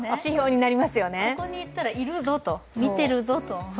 ここに行ったらいるぞと、見てるぞと。